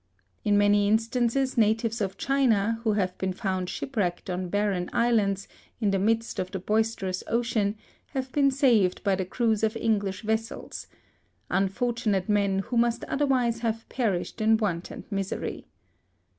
In many instances, natives of China, who have been found shipwrecked on barren islands, in the midst of the boisterous ocean, have been saved by the crews of English vessels, — unfortunate men who must otherwise have perished in want and misery.